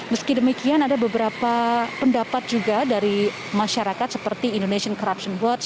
meski demikian ada beberapa pendapat juga dari masyarakat seperti indonesian corruption watch